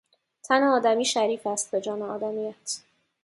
تن آدمی شریف است به جان آدمیت